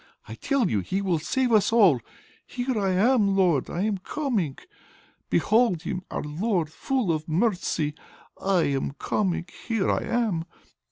I tell you He will save us all! Here I am, Lord, I am coming! Behold Him, our Lord full of mercy. I am coming! Here I am!..."